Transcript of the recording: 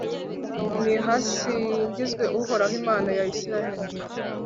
nihasingizwe uhoraho, imana ya israheli